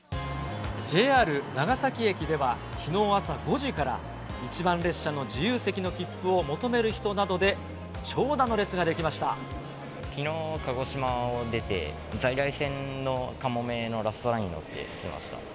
ＪＲ長崎駅では、きのう朝５時から、１番列車の自由席のきっぷを求める人などで、長蛇の列が出来ましきのう、鹿児島を出て、在来線のかもめのラストランに乗って来ました。